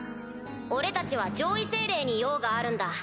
俺たちは上位精霊に用があるんだ。